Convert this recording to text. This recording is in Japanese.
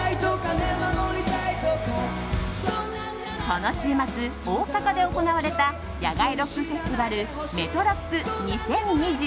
この週末、大阪で行われた野外ロックフェスティバルＭＥＴＲＯＣＫ